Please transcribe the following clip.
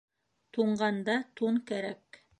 Туңғанда тун кәрәк.